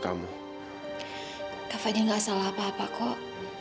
kak fadil gak salah apa apa kok